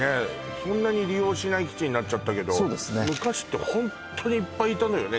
そんなに利用しない基地になっちゃったけど昔ってホントにいっぱいいたのよね